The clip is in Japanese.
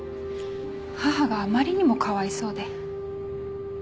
母があまりにもかわいそうで。